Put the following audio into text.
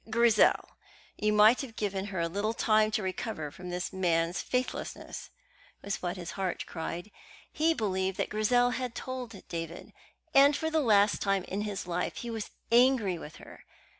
"Grizel, you might have given her a little time to recover from this man's faithlessness," was what his heart cried. He believed that Grizel had told David, and for the last time in his life he was angry with her.